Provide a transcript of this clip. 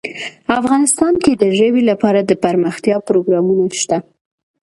افغانستان کې د ژبې لپاره دپرمختیا پروګرامونه شته.